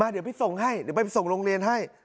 เดี๋ยวไปส่งให้เดี๋ยวไปส่งโรงเรียนให้